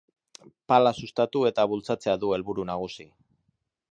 Pala sustatu eta bultzatzea du helburu nagusi.